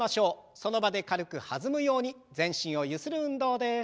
その場で軽く弾むように全身をゆする運動です。